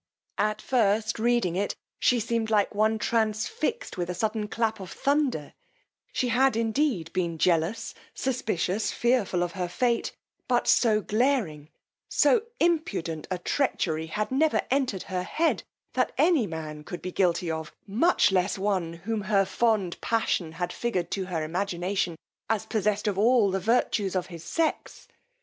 At first reading it, she seemed like one transfixed with a sudden clap of thunder: she had indeed been jealous, suspicious, fearful of her fate; but so glaring, so impudent a treachery had never entered her head, that any man could be guilty of, much less one whom her too fond passion had figured to her imagination, as possessed of all the virtues of his sex.